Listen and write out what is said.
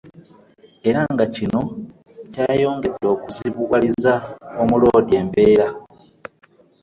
Era nga kino kyayongedde okuzibuwaliza omuloodi embeera.